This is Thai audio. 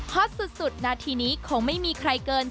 อตสุดนาทีนี้คงไม่มีใครเกิน